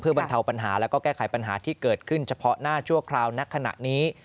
บรรเทาปัญหาแล้วก็แก้ไขปัญหาที่เกิดขึ้นเฉพาะหน้าชั่วคราวณขณะนี้